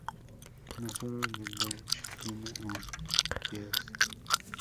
No sólo Lelouch tiene un Geass.